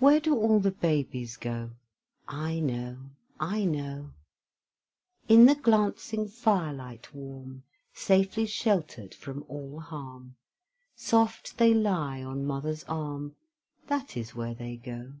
Where do all the babies go? I know, I know! In the glancing firelight warm, Safely sheltered from all harm, Soft they lie on mother's arm, That is where they go!